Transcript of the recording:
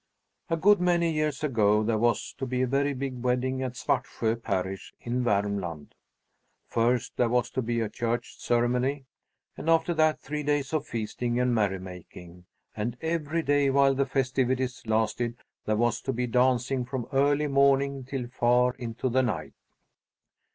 A good many years ago there was to be a very big wedding at Svartsjö parish in Vermland. First, there was to be a church ceremony and after that three days of feasting and merrymaking, and every day while the festivities lasted there was to be dancing from early morning till far into the night.